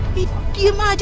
eh diam aja